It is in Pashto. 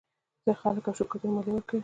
خلک او شرکتونه مالیه ورکوي.